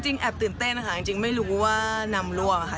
แอบตื่นเต้นนะคะจริงไม่รู้ว่านำร่วงค่ะ